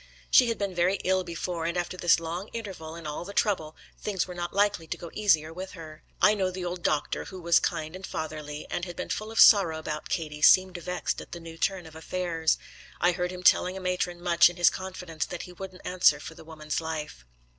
She had been very ill before, and after this long interval and all the trouble things were not likely to go easier with her. I know the old doctor, who was kind and fatherly, and had been full of sorrow about Katie, seemed vexed at the new turn of affairs. I heard him telling a matron much in his confidence that he wouldn't answer for the woman's life.